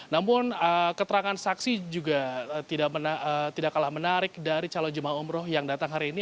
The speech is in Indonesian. namun keterangan saksi juga tidak kalah menarik dari calon jemaah umroh yang datang hari ini